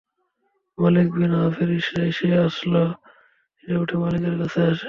মালিক bin আওফের ইশারায় সে আসন ছেড়ে উঠে মালিকের কাছে আসে।